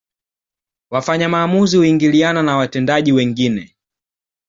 Wafanya maamuzi huingiliana na watendaji wengine